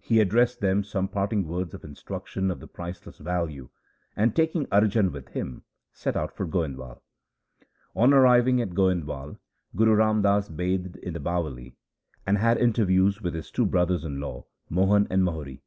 He addressed them some parting words of instruction of priceless value, and taking Arjan with him set out for Goindwal. On arriving at Goindwal, Guru Ram Das bathed in the Bawali, and had interviews with his two brothers in law, Mohan and Mohri.